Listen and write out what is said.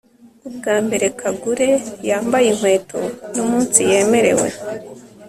ubwa mbere kagure yambaye inkweto ni umunsi yemerewe